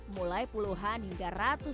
mulai puluhan dolar dan harga jualan juga cukup luas